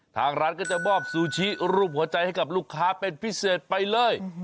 ทางร้านก็จะมอบซูชิรูปหัวใจให้กับลูกค้าเป็นพิเศษไปเลย